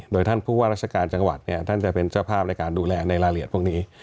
โดยท่านผู้ว่าราชการจังหวัดเนี่ยท่านจะเป็นเจ้าภาพในการดูแลในรายละเอียดพวกนี้